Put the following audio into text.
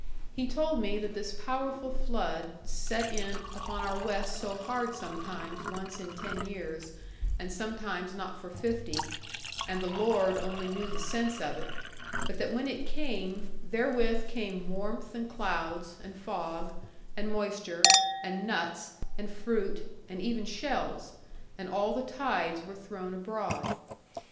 He told me that this powerful flood set in upon our west so hard sometimes once in ten years, and sometimes not for fifty, and the Lord only knew the sense of it; but that when it came, therewith came warmth and clouds, and fog, and moisture, and nuts, and fruit, and even shells; and all the tides were thrown abroad.